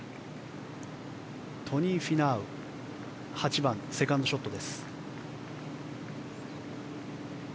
トニー・フィナウ８番、セカンドショット。